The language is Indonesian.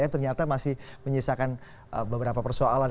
yang ternyata masih menyisakan beberapa persoalan